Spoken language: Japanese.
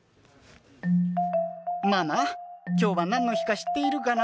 ママ、今日は何の日か知ってるかな？